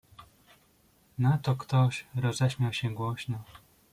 "Na to ktoś roześmiał się głośno."